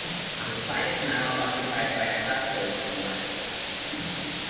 The site is now occupied by a Tesco supermarket.